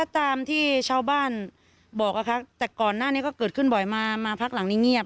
ตามที่ชาวบ้านบอกอะแต่ก่อนหน้างังก็เกิดมาหลังเย็บ